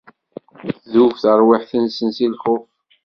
Tdub terwiḥt-nsen si lxuf.